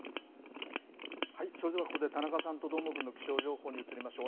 それではここで田中さんとどーもくんの気象情報に移りましょう。